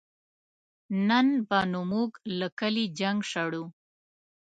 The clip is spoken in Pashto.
نن به نو مونږ له کلي جنګ شړو